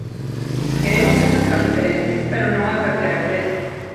Queremos esa transferencia, pero non a calquera prezo.